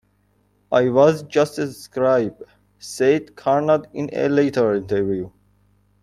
I was just the scribe, said Karnad in a later interview.